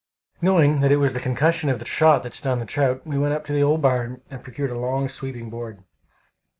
Knowing that it was the concussion of the shot that stunned the trout, we went up to the old barn and procured a long, sweeping board.